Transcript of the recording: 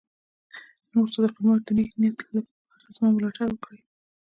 نورو ته د خدمت د نېک نيت لپاره زما ملاتړ وکړي.